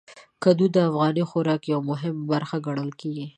کدو د افغاني خوراک یو مهم برخه ګڼل کېږي.